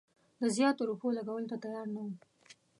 د زیاتو روپیو لګولو ته تیار نه وو.